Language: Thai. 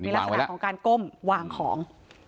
ลักษณะของการก้มวางของ